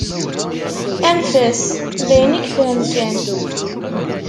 Anef-as, d ayen i yefhem kan.